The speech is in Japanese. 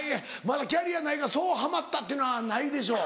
まだキャリアないからそうはまったっていうのはないでしょ。